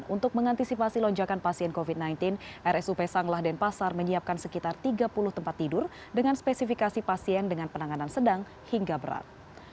untuk mengantisipasi lonjakan pasien covid sembilan belas rsup sanglah denpasar menyiapkan sekitar tiga puluh tempat tidur dengan spesifikasi pasien dengan penanganan sedang hingga berat